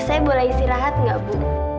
saya boleh istirahat nggak bu